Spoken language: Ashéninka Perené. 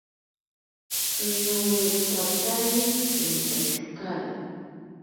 Nowetsatari yometantsikari.